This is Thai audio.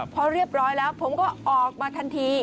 พอเรียบร้อยแล้วผมก็ออกมาทันที